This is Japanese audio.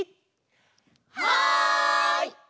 はい！